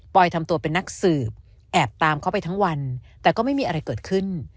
ทำตัวเป็นนักสืบแอบตามเขาไปทั้งวันแต่ก็ไม่มีอะไรเกิดขึ้น